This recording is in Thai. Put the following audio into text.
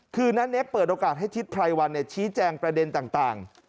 คือนั้นเน็ตเปิดโอกาสให้ทิศไพรวัลเนี่ยชี้แจงประเด็นต่าง